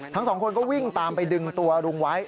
ทั้งสองคนก็วิ่งตามไปดึงตัวลุงไว้